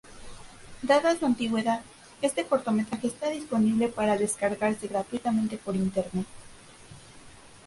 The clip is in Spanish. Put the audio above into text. Dada su antigüedad, este cortometraje está disponible para descargarse gratuitamente por internet.